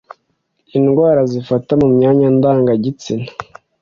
indwara zifata mu myanya ndangagitsina